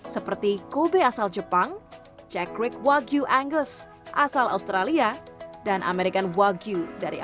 seperti kobe asal jepang jack rick wagyu angus asal australia dan american wagyu